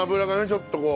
ちょっとこう。